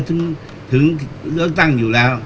การสำรรค์ของเจ้าชอบใช่